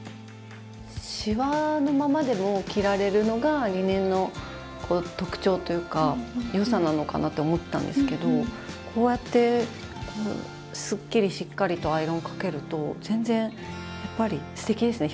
シワのままでも着られるのがリネンのこう特長というか良さなのかなって思ったんですけどこうやってスッキリしっかりとアイロンをかけると全然やっぱりすてきですね